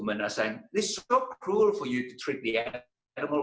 mereka bilang ini sangat kruel untuk anda mencari animal